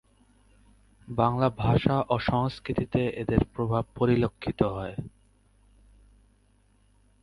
বাংলা ভাষা ও সংস্কৃতিতে এদের প্রভাব পরিলক্ষিত হয়।